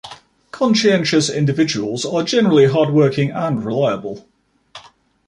Conscientious individuals are generally hard-working and reliable.